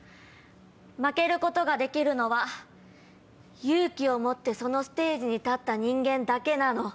負けることができるのは勇気を持ってそのステージに立った人間だけなの。